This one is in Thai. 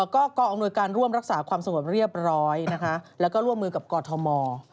ก็กองอำนวยการร่วมรักษาความสงบเรียบร้อยนะคะแล้วก็ร่วมมือกับกอทม